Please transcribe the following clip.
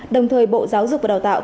đồng thời bộ giáo dục và đào tạo